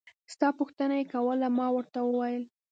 ستا پوښتنه يې کوله ما ورته وويل.